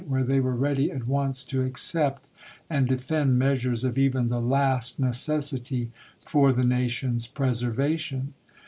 where they were ready at once to accept and de fend measures of even the last necessity for the nation's preservation.